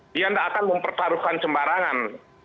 dia tidak akan mempertaruhkan sembarangan